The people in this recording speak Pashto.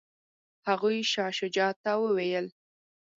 هغوی شاه شجاع ته وویل.